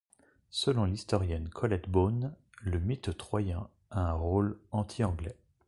Selon l'historienne Colette Beaune, le mythe troyen a un rôle antianglais.